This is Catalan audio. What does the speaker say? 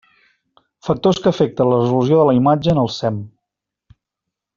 Factors que afecten la resolució de la imatge en el SEM.